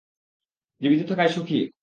জীবিত থাকায় সুখী।